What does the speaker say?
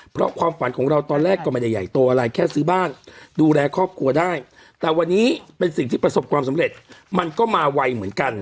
เพราะความฝันของเราตอนแรกก็ไม่ได้ใหญ่โตอะไรแค่ซื้อบ้านดูแลครอบครัวได้แต่วันนี้เป็นสิ่งที่ประสบความสำเร็จมันก็มาไวเหมือนกัน